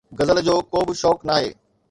غزل جو ڪو به شوق ناهي